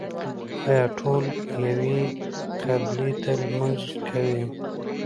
آیا ټول یوې قبلې ته لمونځ کوي؟